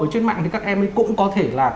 trên mạng thì các em ấy cũng có thể là